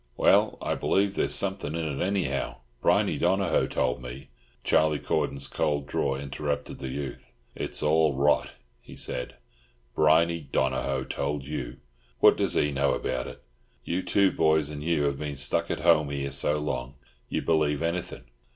"Well, I believe there's something in it, anyhow. Briney Donohoe told me—" Charlie Cordon's cold drawl interrupted the youth. "It's all rot," he said. "Briney Donohoe told you—what does he know about it? You two boys and Hugh have been stuck at home here so long, you believe anything.